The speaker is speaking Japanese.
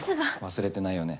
忘れてないよね？